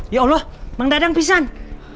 ya allah mang dadang pisang